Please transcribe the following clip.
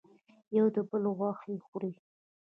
یو د بل غوښې خوري.